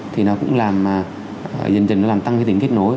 thì nó cũng làm dần dần tăng cái tính kết nối